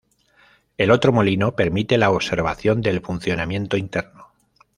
El otro molino permite la observación del funcionamiento interno.